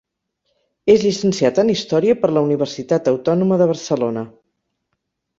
És llicenciat en història per la Universitat Autònoma de Barcelona.